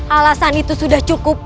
alasan itu sudah cukup